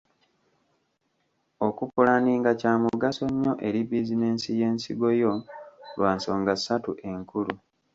Okupulaaninga kya mugaso nnyo eri bizinensi y’ensigo yo lwa nsonga ssatu enkulu.